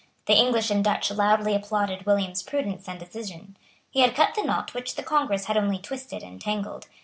The English and Dutch loudly applauded William's prudence and decision. He had cut the knot which the Congress had only twisted and tangled.